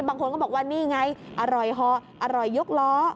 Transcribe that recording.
บางคนก็บอกว่านี่ไงอร่อยเหาะอร่อยยกล้อ